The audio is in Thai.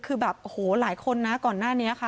คือแบบโอ้โหหลายคนนะก่อนหน้านี้ค่ะ